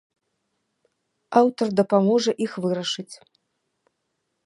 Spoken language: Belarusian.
Аўтар дапаможа іх вырашыць.